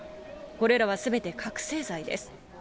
これらはすべて覚醒剤です。